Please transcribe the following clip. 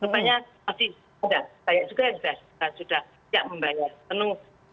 karena masih banyak juga yang sudah tidak membayar penuh